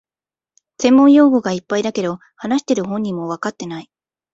専門用語がいっぱいだけど、話してる本人もわかってない